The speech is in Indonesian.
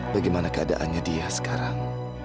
bagaimana keadaannya dia sekarang